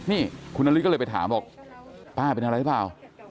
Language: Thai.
นี่คุณนาริสก็เลยไปถามบอกป้าเป็นอะไรหรือเปล่า